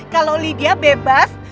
kalau lydia bebas